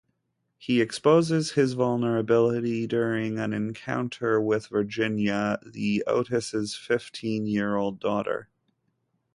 He exposes his vulnerability during an encounter with Virginia, the Otis's fifteen-year-old daughter.